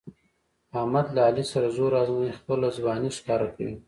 احمد له علي سره زور ازمیي، خپله ځواني ښکاره کوي.